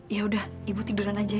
ya ibu tiduran saja